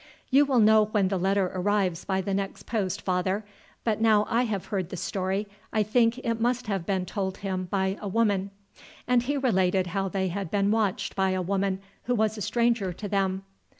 "You will know when the letter arrives by the next post, father. But now I have heard the story, I think it must have been told him by a woman;" and he related how they had been watched by a woman who was a stranger to them.